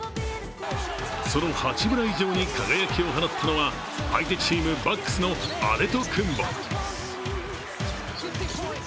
その八村以上に輝きを放ったのは、相手チーム、バックスのアデトクンボ。